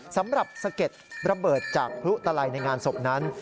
สำหรับสะเก็ดระเบิดจากพลุตะไหลในงานศพนั้น